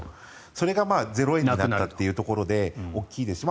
それがゼロになったというところで大きいですし